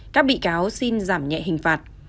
các bị cáo xin giảm nhẹ hình phạt